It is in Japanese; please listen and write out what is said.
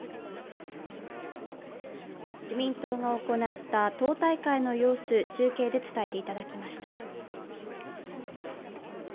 自民党が行った党大会の様子、中継で伝えていただきました。